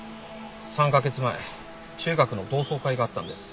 ３カ月前中学の同窓会があったんです。